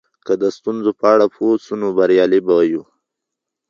که د ستونزو په اړه پوه سو نو بریالي به یو.